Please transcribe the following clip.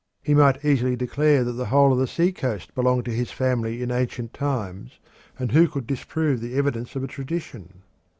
He might easily declare that the whole of the sea coast had belonged to his family in ancient times, and who could disprove the evidence of a tradition?